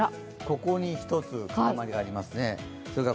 ここに１つ固まりがありますね。